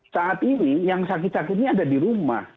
saat ini yang sakit sakit ini ada di rumah